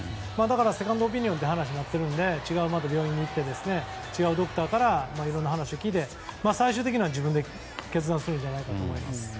セカンドオピニオンという話になっているので違う病院に行って違うドクターからいろんな話を聞いて最終的には自分で決断すると思います。